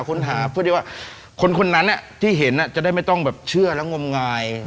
ค้นหาเพื่อที่ว่าคนนั้นที่เห็นจะได้ไม่ต้องแบบเชื่อและงมงาย